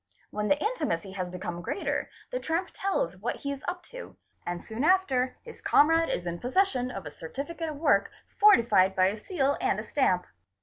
When the 7 intimacy has become greater, the tramp tells what he is up to, and soon _ after his comrade is in possession of a certificate of work, fortified by a seal and a stamp.